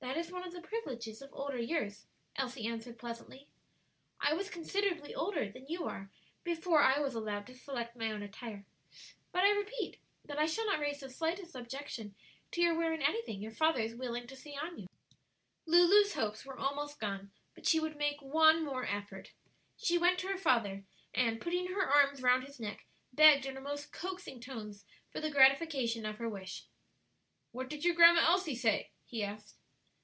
"That is one of the privileges of older years," Elsie answered pleasantly. "I was considerably older than you are before I was allowed to select my own attire. But I repeat that I shall not raise the slightest objection to your wearing anything your father is willing to see on you." Lulu's hopes were almost gone, but she would make one more effort. She went to her father, and putting her arms round his neck, begged in her most coaxing tones for the gratification of her wish. "What did your Grandma Elsie say?" he asked.